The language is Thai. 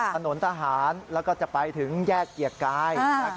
ถนนทหารแล้วก็จะไปถึงแยกเกียรติกาย